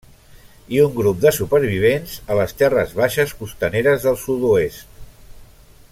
I un grup de supervivents a les terres baixes costaneres del sud-oest.